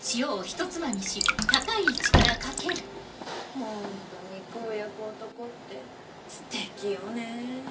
ホント肉を焼く男ってステキよね。